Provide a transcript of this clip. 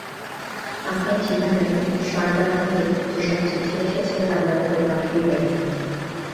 আপনার ঠিকানায় সারদানন্দের যে সব চিঠি এসেছে, তা দয়া করে পাঠিয়ে দেবেন।